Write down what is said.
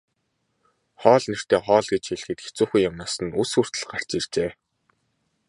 Хоол нэртэй хоол гэж хэлэхэд хэцүүхэн юмнаас нь үс хүртэл гарч иржээ.